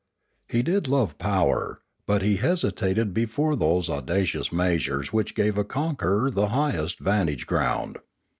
He did love power, but he hesitated before those audacious measures which give a conqueror the highest vantage ground.